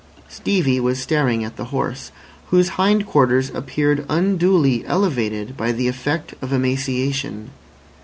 Stevie was staring at the horse, whose hind quarters appeared unduly elevated by the effect of emaciation.